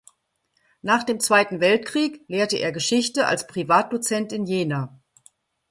Nach dem Zweiten Weltkrieg lehrte er Geschichte als Privatdozent in Jena.